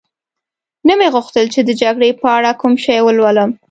نه مې غوښتل چي د جګړې په اړه کوم شی ولولم.